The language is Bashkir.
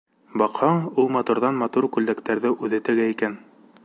Баҡһаң, ул матурҙан-матур күлдәктәрҙе үҙе тегә икән.